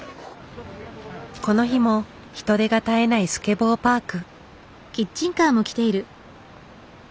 この日も人出が絶えないスケボーパーク。